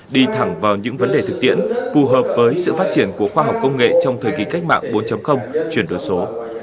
đi thẳng vào những vấn đề thực tiễn phù hợp với sự phát triển của khoa học công nghệ trong thời kỳ cách mạng bốn chuyển đổi số